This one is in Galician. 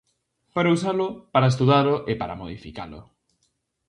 Para usalo, para estudalo, e para modificalo.